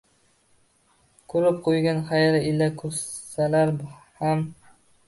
Kulib quygin hayrat ila kursalar ham!